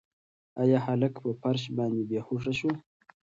ایا هلک په فرش باندې بې هوښه شو؟